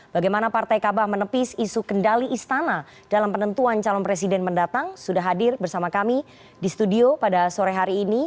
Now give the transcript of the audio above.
bagaimana partai kabah menepis isu kendali istana dalam penentuan calon presiden mendatang sudah hadir bersama kami di studio pada sore hari ini